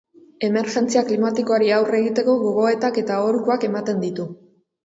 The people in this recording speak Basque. Emergentzia klimatikoari aurre egiteko gogoetak eta aholkuak ematen ditu.